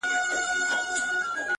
o که زه مړ سوم لېري یو نسي زما مړی,